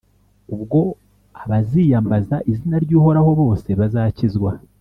Ubwo abaziyambaza izina ry’Uhoraho bose, bazakizwa.